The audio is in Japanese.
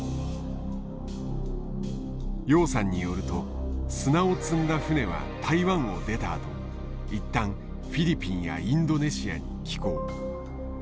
楊さんによると砂を積んだ船は台湾を出たあと一旦フィリピンやインドネシアに寄港。